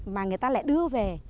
mà người ta lại đưa về